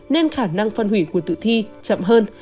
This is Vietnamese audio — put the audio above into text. nên khả năng phân hủy của tử thi chậm hơn